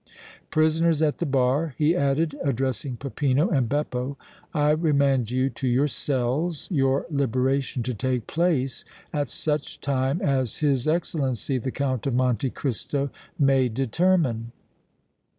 Prisoners at the bar," he added, addressing Peppino and Beppo, "I remand you to your cells, your liberation to take place at such time as his Excellency, the Count of Monte Cristo may determine."